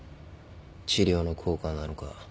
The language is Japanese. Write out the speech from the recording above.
治療の効果なのか。